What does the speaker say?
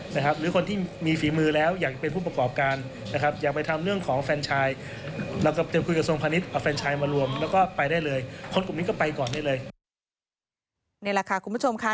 นี่แหละค่ะคุณผู้ชมค่ะ